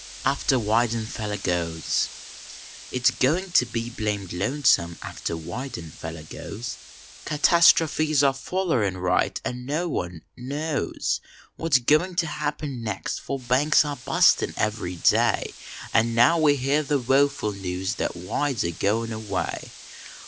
AFTEK WE1DENFELLER GOES It s goin to be blamed lonesome after Weidenfeller goes; Catastrofies are follerin right along an no one knows What s goin to happen next, for banks are bustin every day An now we hear the woeful news that Weld s agoin away.